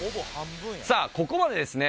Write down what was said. さあここまでですね